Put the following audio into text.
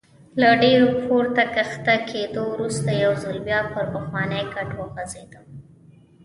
له ډېر پورته کښته کېدو وروسته یو ځل بیا پر پخواني کټ وغځېدم.